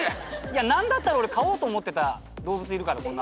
いや何だったら俺飼おうと思ってた動物いるからこん中に。